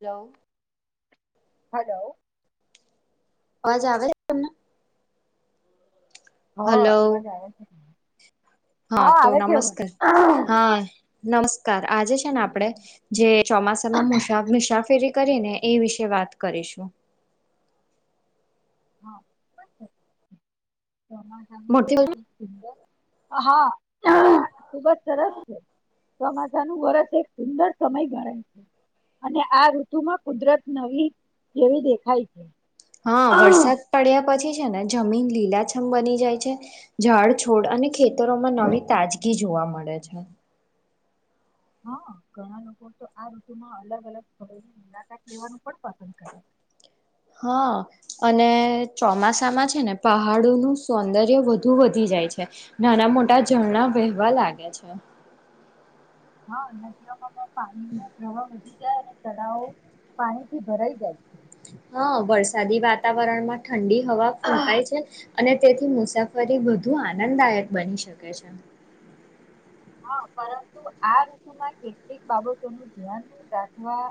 Hello. Hello અવાજ આવે તમને. હા હલો એવા જ આવે છે હા તો આવે છે અવાજ નમસ્કાર હા. નમસ્કાર આજે છે ને આપડે જે ચોમાસામાં મુસા મુસાફેરી કરેને એ વિશે વાત કરીશું. હા. મોટી હા. ખુબ જ સરસ છે ચોમાસાનું વરસ એક સુંદર સમય ગણાય છે, અને આ ઋતુ માં કુદરત નવી. જેવી દેખાય છે. હા વરસાદ પડ્યા પછી. જોવા મળે છે. હા ઘણા લોકો તો આ ઋતુમાં અલગ અલગ [unintelligible] મુલાકાત લેવાનું પણ પસંદ કરે. [inaudible] હા અને ચોમાસામાં છે, ને પહાડોનું [unintelligible] સૌંદર્ય વધુ વધી જ છે, નાના મોટા ઝરણા વહેવા લાગે છે. હા [unintelligible] પણ પાણી નો પ્રવાહ વધી જાય. તળાવો પાણીથી ભરાઈ જાય છે. હા વરસાદી વાતાવરણમાં ઠંડી હવા ફૂંકાય છે. અને તેથી મુસાફરી વધુ આનંદદાયક બની શકે છે. હા પરંતુ આ ઋતુમાં કેટલીક બાબતોનું [unintelligible] ધ્યાન રાખવા.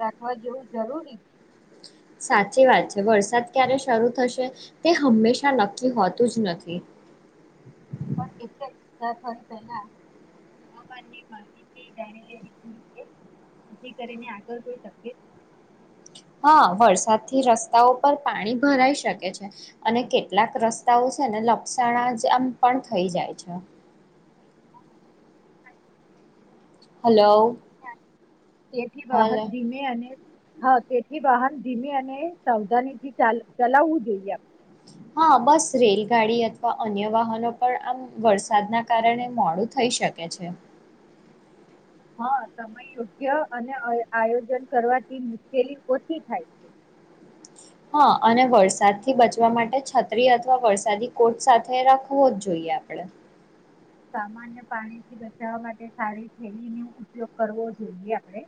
રાખવા જેવું જરૂરી. સાચી વાત છે, વરસાદ ક્યારે શરૂ થશે તે હંમેશા નક્કી હોતું જ નથી. [unintelligible] પણ એટલે [unintelligible] પહેલા હવામાની માહિત [unintelligible] છે. નથી કરીને આગળ કોઈ તકલીફ. હા વરસાદથી રસ્તાઓ પર પાણી ભરાઈ શકે છે, અને કેટલાક રસ્તાઓ. છે, ને લપક્ષણા જ આમ પણ થઈ જાય છે. ન હલો થાય. તેથી બહાર હલો ધીમે અને. હા તેથી વાહન [unintelligible] અને સાવધાની થી ચલાવવું જોઈએ આપણે. હા બસ રેલગાડી અથવા અન્ય વાહનો પણ આમ વરસાદના કારણે મોડું. થઈ શકે છે. હા સમય યોગ્ય અને [unintelligible] આયોજન કરવાથી મુશ્કેલી ઓછી થાય. [unintelligible] હા અને વરસાદથી બચવા માટે છત્રી અથવા વરસાદી કોટ સાથે રાખવો જ જોઈએ. આપડે. સામાન્ય પાણીથી બચાવવા માટે સારી થેલી નો ઉપયોગ કરવો જોઈએ આપડે.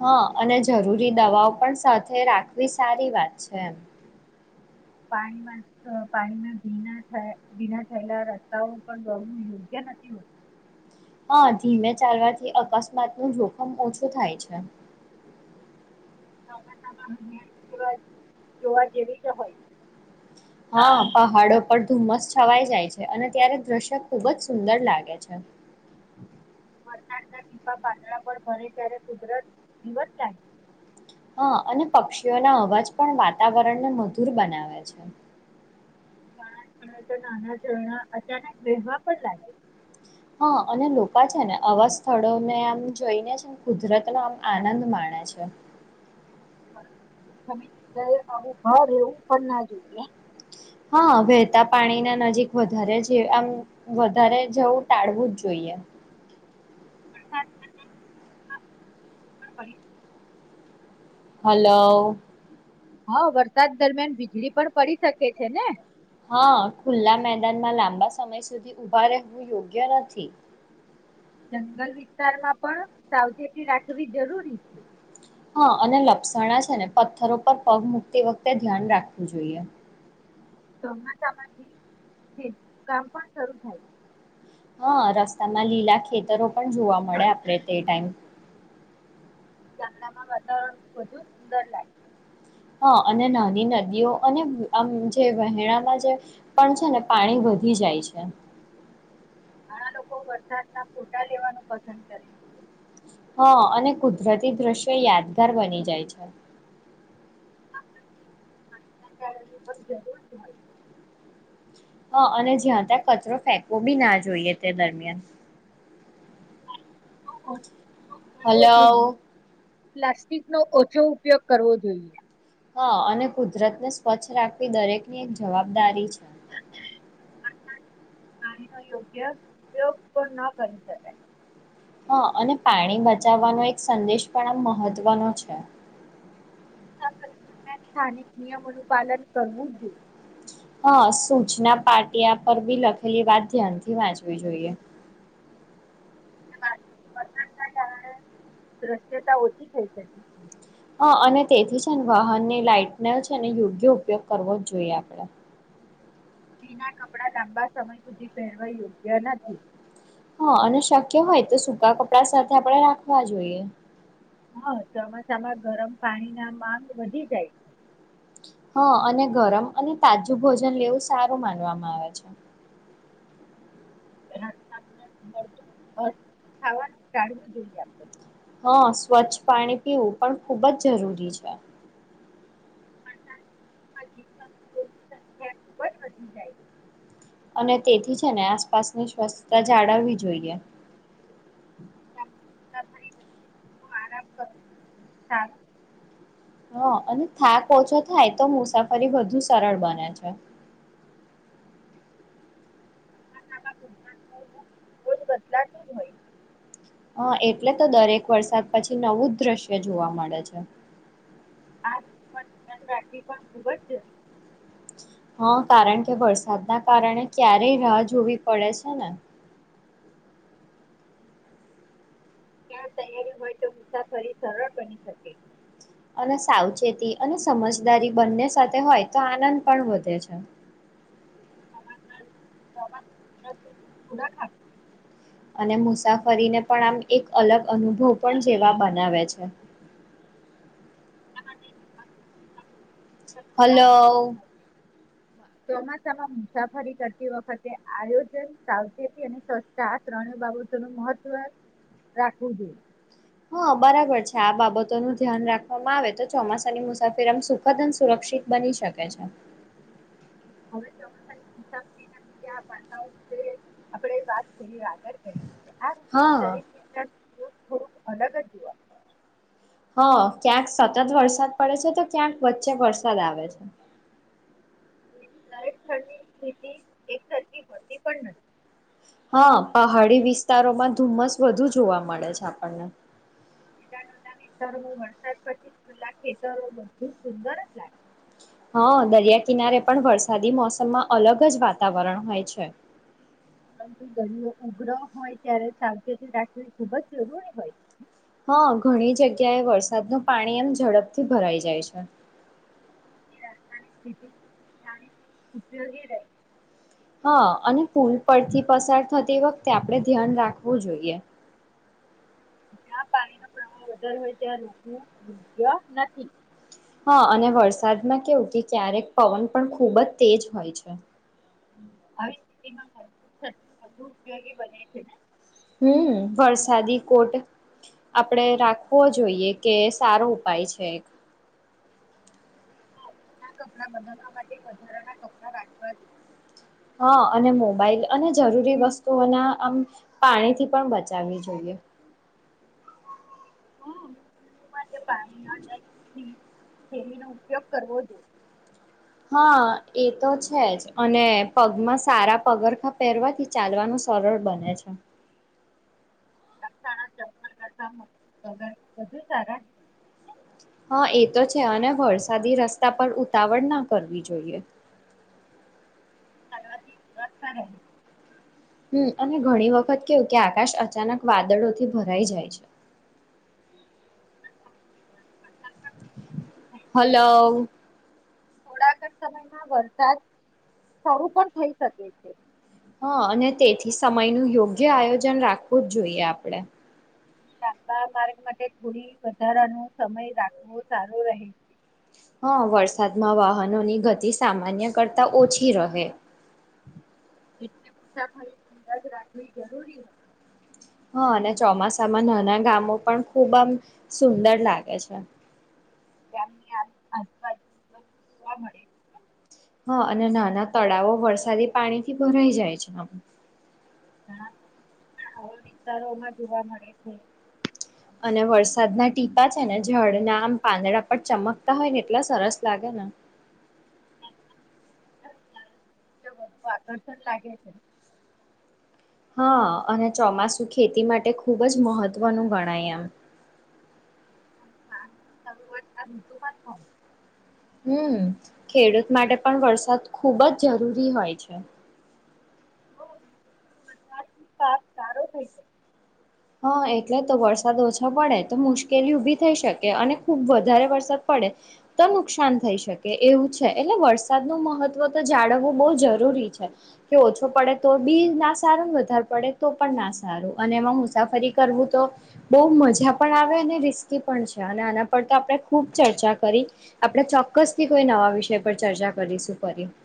હા અને જરૂરી દવાઓ પણ સાથે રાખવી સારી વાત છે, એમ. પાણીમાં [unintelligible] પાણીમાં ભીના [unintelligible] ભીના થયેલા રસ્તાઓ પણ [unintelligible] યોગ્ય. નથી હોતું [unintelligible] હા ધીમે ચાલવાથી અકસ્માત નું જોખમ ઓછું થાય છે. [unintelligible] જોવા જેવી હોય. હા પહાડ પણ ધુમ્મસ છવાઈ જાય છે, અને ત્યારે દ્રશ્ય ખુબ જ સુંદર લાગે છે. હોય વરસાદના ટીપા પાંદડા પર ભરે ત્યારે કુદરત દિવસ [unintelligible] હા અને પક્ષીઓના અવાજ પણ વાતાવરણને મધુર બનાવે છે. [unintelligible] અચાનક વવા પણ લાગે. હા અને [unintelligible] છે, ને આવા સ્થળોને આમ જોઈને છે, ને કુદરત નો આમ આનંદ માણે [unintelligible] છે. આવું [unintelligible] ના જોઈએ. હા વહેતા પાણી ના નજીક વધારે આમ વધારે જવું ટાળવું જ જોઈએ. [unintelligible] [unintelligible] હલો. હા વરસાદ દરમિયાન વીજળી પણ પડી શકે છે, ને. હા ખુલ્લા મેદાનમાં લાંબા સમય સુધી [unintelligible] રહેવું યોગ્ય નથી. [unintelligible] જંગલ વિસ્તારમાં પણ સાવચેતી રાખવી જરૂરી છે. હા અને લપસણા છે ને પથ્થરો પર પગ મુકતી વખતે ધ્યાન રાખવું જોઈએ. ચોમાસામાંથી કામ પણ શરૂ થાય. હા રસ્તામાં લીલા ખેતરો પણ જોવા મળે આપડે તે ટાઈમ. ગામડામાં વાતાવરણ વધુ સુંદર લાગે. હા અને નાની નદીઓ અને આમ જે વહેણામાં જે પણ છે ને પાણી વધી જાય છે. ઘણા લોકો વરસાદ ના ફોટા લેવાનું પસંદ કરે છે. હા અને કુદરતી દ્રશ્ય યાદગાર બની જાય છે. [inaudible] હા અને જ્યાં ત્યાં કચરો ફેંકવો બી ના જોઈએ તે દરમિયાન. [inaudible] કરવો જોઈએ હાલો. પ્લાસ્ટિકનો ઓછો ઉપયોગ કરવો જોઈએ. હા અને કુદરતને સ્વચ્છ રાખવી દરેકની એક જવાબદારી છે. [inaudible] વરસાદ પાણીનો યોગ્ય ઉપયોગ પણ ન કરી શકાય. હા અને પાણી બચાવવાનો એક સંદેશ પણ આમ મહત્વનો છે. દરમિયાન સ્થાનિક નિયમોનું પાલન કરવું જોઈએ. હા સૂચના પાટિયા પર બી લખેલી વાત ધ્યાનથી વાંચવી જોઈએ. વરસાદના કારણે દ્રશ્યતા ઓછી થઈ શકે છે. હ અને તેથી છે ને વાહનની લાાઈટને છે ને યોગ્ય ઉપયોગ કરવો જ જોઈએ આપણે. ભીના કપડા લાંબા સમય સુધી પહેરવા યોગ્ય નથી. હા અને શક્ય હોય તો સૂકા કપડા સાથે આપણે રાખવા જોઈએ. હા ચોમાસામાં ગરમ પાણી ના માં વધી જાય છે. હા અને ગરમ અને તાજું ભોજન લેવું સારું માનવામાં આવે છે. ખાવાનું ચાલવું જોઈએ આપણે. હા સ્વચ્છ પાણી પીવું પણ ખૂબ જ જરૂરી છે. [inaudible] વધી જાય. અને તેથી છે ને આસપાસની સ્વસ્થતા જાળવવી જોઈએ. લાબી મુસાફરી વચ્ચે થોડો આરામ કરવો સારો. હા અને થાક ઓછો થાય તો મુસાફરી વધુ સરળ બને છે. [inaudible] [inaudible] બદલાતું જ હોય. હા એટલે તો દરેક વરસાદ પછી નવું જ દ્રશ્ય જોવા મળે છે. [inaudible] ધ્યાન રાખવી પણ ખુબ જરુરી. હા કારણ કે વરસાદના કારણે ક્યારેય રાહ જોવી પડે છે ને. ત્યાં તૈયારી હોય તો મુસાફરી સરળ બની શકે છે. અને સાવચેતી અને સમજદારી બંને સાથે હોય તો આનંદ પણ વધે છે. [inaudible] [inaudible] અને મુસાફરીને પણ આમ એક અલગ અનુભવ પણ જેવા બનાવે છે. આપણા માટે હાલો. ચોમાસામાં મુસાફરી કરતી વખતે આયોજન, સાવચેતી અને સસ્તા આ ત્રણેય બાબતો નું મહત્વ રાખવું જોઈએ. હા બરાબર છે, આ બાબતો નું ધ્યાન રાખવામાં આવે તો ચોમાસાની મુસાફરીમાં સુખદ અને સુરક્ષિત ક્ષિત બની શકે છે. હવે ચોમાસાનીસા [inaudible] આપણે વાત થોડી આગળ કરીએ. હા. બો અલગ જ જોવા હા, ક્યાંક સતત વરસાદ પડે છે, તો ક્યાંક વચ્ચે વરસાદ આવે છે. [inaudible] દરેક સ્થળની સ્થિતિ એક સરખી હોતી પણ નથી. હા, પહાડી વિસ્તારોમાં ધુમ્મસ વધુ જોવા મળે છે. આપણને [unintelligible] ખેતરોમાં વરસાદ પછી ખુલ્લા ખેતરો બધું સુંદર જ લાગે. હા, દરિયા કિનારે પણ વરસાદી મોસમમાં અલગ જ વાતાવરણ હોય છે. પરંતુ, દરિયો ઉગરો હોય ત્યારે સાવચેતી રાખવી ખુબજ જરૂરી હોય છે. હા, ઘણી જગ્યાએ વરસાદનું પાણી એમ ઝડપથી ભરાઈ જાય છે. રાસાયણિક ખેતી [unintelligible] ઉપયોગી [unintelligible] હા અને પુલ પરથી પસાર થતી વખતે આપડે ધ્યાન રાખવું જોઈએ. જ્યાં પાણીનો પ્રવાહ વધારે હોય ત્યાં રૂકવું યોગ્ય નથી. હા અને વરસાદમાં કેવું કે ક્યારેક પવન પણ ખૂબ જ તેજ હોય છે. હ [inaudible] આવી સ્થિતિમાં મજબૂત જ વધુ ઉપયોગી બને છે ને હમ્મ વરસાદી કોટ આપણેે રાખવો જોઈએ. કે સારો ઉપાય છે એક. હા જુના કપડા બદલવા માટે વધારાના કપડા રાખવા જો હા અને મોબાઈલ અને જરૂરી વસ્તુઓના આમ પાણીથી પણ બચાવવી જોઈએ. [unintelligible] હમ્મ માટે પાણી ના જાય ભીન થેલી નો ઉપયોગ કરવો જોઈએ. હા એ તો છે જ. અને પગમાં સારા પગરખા પહેરવાથી ચાલવાનું સરળ બને છે. [unintelligible] હા એ તો છે. અને વરસાદી રસ્તા પર ઉતાવળ ના કરવી જોઈએ. [unintelligible] કરવાથી [unintelligible] હમ્મ અને ઘણી વખત કેવું કે આકાશ અચાનક વાદળોથી ભરાઈ જાય છે. [inaudible] હલો થોડાક જ સમયમાં વરસાદ સારું પણ થઈ શકે છે. હા અને તેથી સમય નું યોગ્ય આયોજન રાખવું જ જોઈએ આપડે. લાંબા માર્ગ માટે થોડી વધારાનો સમય રાખવો સારો રહે છે. હા વરસાદમાં વાહનોની ગતિ સામાન્ય કરતા ઓછી રહે. [unintelligible] એટલે મુસાફરી સંદ જ રાખવી જરૂરી હોય. હા અને ચોમાસામાં નાના ગામો પણ ખુબ આમ સુંદર લાગે છે. [unintelligible] હા અને નાના તળાવો વરસાદી પાણીથી ભરાઈ જાય છે. ઘણા [unintelligible] આવા વિસ્તારોમાં જોવા મળે છે. અને વરસાદના ટીપા છેને ઝાડ ના આમ પાંદડા પર ચમકતા હોય ને એટલા સરસ લાગે ને. [unintelligible] [unintelligible] હા અને ચોમાસું ખેતી માટે ખૂબ જ મહત્વનું ગણાય એમ. [unintelligible] [unintelligible] ઋતુમાં હમ્મ, ખેડૂત માટે પણ વરસાદ ખુબ જ જરૂરી હોય છે. [unintelligible] પાક સારો થઈ છે. હા, એટલે તો વરસાદ ઓછો પડે તો મુશ્કેલી ઉભી થઈ શકે. અને ખુબ વધારે વરસાદ પડ પડે તો નુકસાન થઈ શકે એવું છે. એટલે વરસાદ નો મહત્વ તો જાળવવું બહ જરૂર ઓછ પડે તો બી ના સારો વધારે પડે તો પણ ના સારું અને એમાં હ મુસાફરી કરવું તો બહુ મજા પણ આવે અને રિસ્કી પણ છે અને આના પર તો આપડે ખુબ ચર્ચા કરી આપણે ચોક્કસથી કોઈ નવા વિષય પર ચર્ચા કરી શું કરી [unintelligible]